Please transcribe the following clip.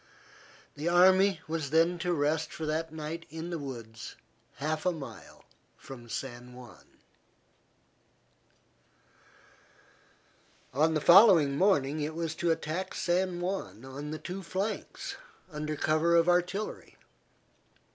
The army was then to rest for that night in the woods, half a mile from San Juan. On the following morning it was to attack San Juan on the two flanks, under cover of artillery.